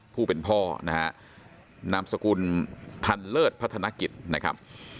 ผู้เป็นพ่อนะฮะนามสกุลพันเลิศพัฒนกิจนะครับ